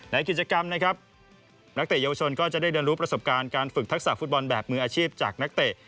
ในกิจกรรมนะครับนักเตะเยาวชนก็จะได้เรียนรู้ประสบการณ์การฝึกทักษะฟุตบอลแบบมืออาชีพจากนักเตะ